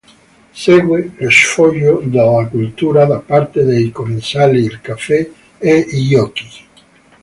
Segue lo sfoggio della cultura da parte dei commensali, il caffè e i giochi.